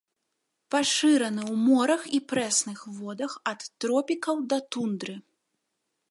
Пашыраны ў морах і прэсных водах ад тропікаў да тундры.